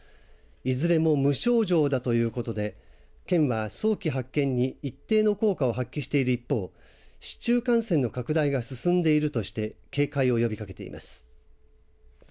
いずれも無症状だということで県は、早期発見に一定の効果を発揮している一方市中感染の拡大が進んでいるとして警戒を呼びかけています。